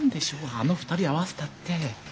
あの２人合わせたって。